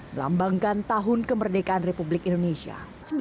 melambangkan tahun kemerdekaan republik indonesia seribu sembilan ratus empat puluh lima